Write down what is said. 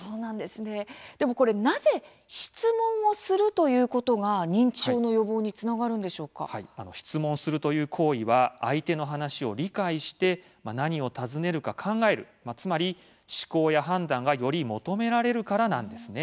でも、なぜ質問するということが認知症の質問するという行為は相手の話を理解して何を尋ねるか考えるつまり思考や判断がより求められるからなんです。